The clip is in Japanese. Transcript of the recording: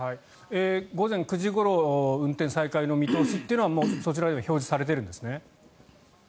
午前９時ごろ運転再開の見通しというのはもうそちらにも表示されているんですね？